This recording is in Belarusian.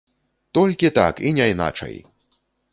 Толькі так і не іначай!